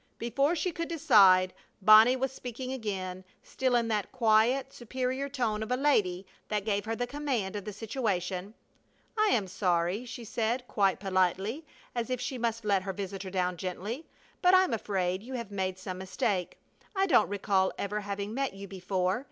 Before she could decide Bonnie was speaking again, still in that quiet, superior tone of a lady that gave her the command of the situation: "I am sorry," she said, quite politely, as if she must let her visitor down gently, "but I'm afraid you have made some mistake. I don't recall ever having met you before.